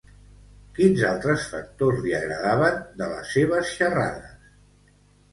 Quins altres factors li agradaven de les seves xerrades?